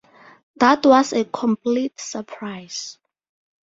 That was a complete surprise.